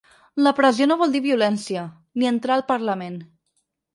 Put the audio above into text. La pressió no vol dir violència, ni entrar al parlament.